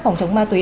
phòng chống ma túy